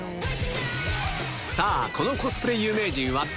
さあ、このコスプレ有名人は誰？